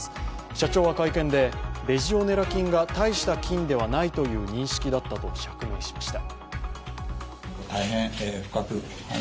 社長は会見で、レジオネラ菌がたいした菌ではないという認識だったと釈明しました。